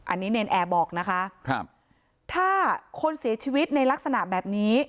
อันนี้เนรนแอร์บอกนะคะครับถ้าคนเสียชีวิตในลักษณะแบบนี้